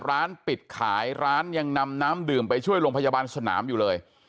ร้านปิดขายร้านยังนำน้ำดื่มไปช่วยโรงพยาบาลสนามอยู่เลย